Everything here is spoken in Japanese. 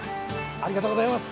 ありがとうございます。